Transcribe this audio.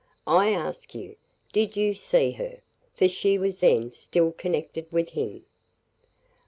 I ask you, did you see her? for she was then still connected with him."